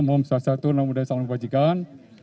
mohon bersabda satu selamat muda salam kebajikan